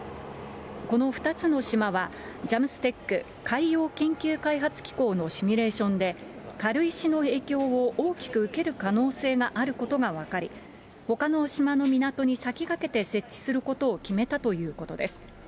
この２つの島はジャムステック・海洋研究開発機構のシミュレーションで、軽石の影響を大きく受ける可能性があることが分かり、ほかの島の港に先駆けて設置することを決めたということです。